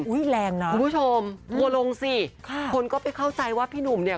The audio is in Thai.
แรงนะคุณผู้ชมมัวลงสิค่ะคนก็ไปเข้าใจว่าพี่หนุ่มเนี่ย